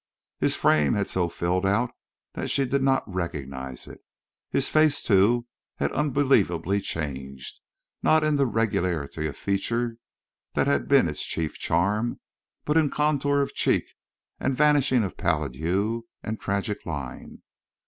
His frame had so filled out that she did not recognize it. His face, too, had unbelievably changed—not in the regularity of feature that had been its chief charm, but in contour of cheek and vanishing of pallid hue and tragic line.